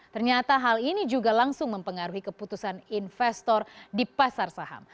ternyata hal ini juga langsung mempengaruhi keputusan investor di pasar saham